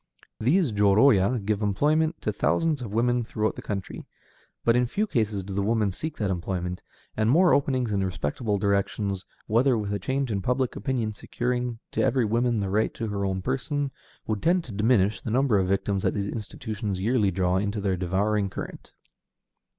These jōrōya give employment to thousands of women throughout the country, but in few cases do the women seek that employment, and more openings in respectable directions, together with a change in public opinion securing to every woman the right to her own person, would tend to diminish the number of victims that these institutions yearly draw into their devouring current.